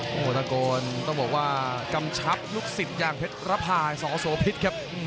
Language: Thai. โอ้โหตะโกนต้องบอกว่ากำชับลูกศิษย์อย่างเพชรระพายสโสพิษครับ